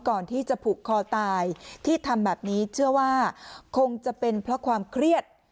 ก่อนที่จะผูกคอตายที่ทำแบบนี้เชื่อว่าคงจะเป็นเพราะความเครียด